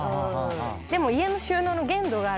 でも。